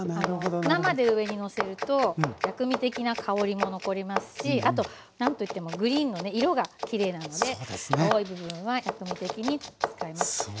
生で上にのせると薬味的な香りも残りますしあとなんといってもグリーンのね色がきれいなので青い部分は薬味的に使います。